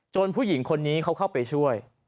ผู้หญิงคนนี้เขาเข้าไปช่วย